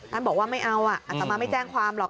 บอกว่าไม่เอาอัตมาไม่แจ้งความหรอก